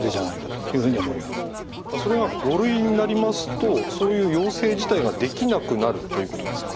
それが５類になりますとそういう要請自体ができなくなるということですか？